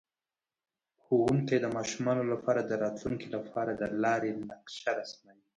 ښوونکی د ماشومانو لپاره د راتلونکي لپاره د لارې نقشه رسموي.